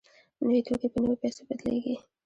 نوي توکي په نویو پیسو بدلېږي